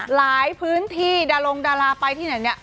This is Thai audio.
หลายพื้นที่ดารงดาราไปที่ไหนเนี่ย